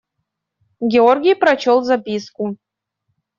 Георгий прочел записку.